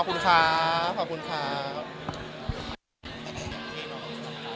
ใช่ดีใจแล้วนะ